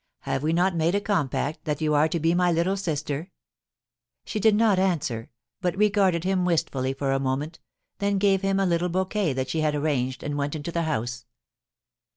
Have we not made a compact that you are to be my little sister ?* She did not answer, but regarded him wistfully for a moment, then gave him a little bouquet that she had arranged, and went into the house.